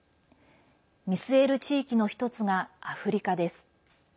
見据える地域の１つがアフリカです。